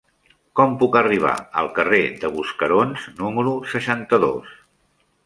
Com puc arribar al carrer de Buscarons número seixanta-dos?